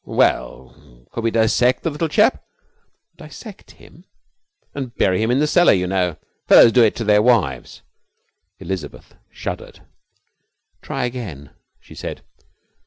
'Well, could we dissect the little chap?' 'Dissect him?' 'And bury him in the cellar, you know. Fellows do it to their wives.' Elizabeth shuddered. 'Try again,' she said.